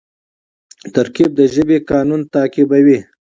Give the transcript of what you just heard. ترکیب د ژبي قانون تعقیبوي.